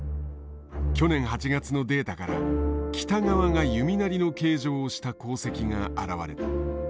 去年８月のデータから北側が弓なりの形状をした航跡が現れた。